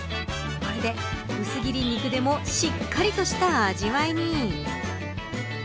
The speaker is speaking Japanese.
これで、薄切り肉でもしっかりとした味わいに。